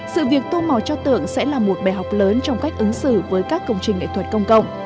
sự việc tu màu cho tượng sẽ là một bài học lớn trong cách ứng xử với các công trình nghệ thuật công cộng